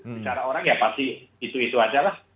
bicara orang ya pasti itu itu aja lah